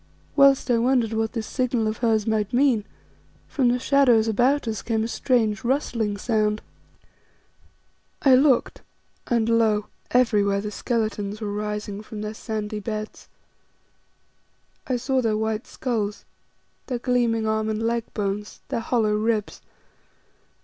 Whilst I wondered what this signal of hers might mean, from the shadows about us came a strange, rustling sound. I looked, and lo! everywhere the skeletons were rising from their sandy beds. I saw their white skulls, their gleaming arm and leg bones, their hollow ribs.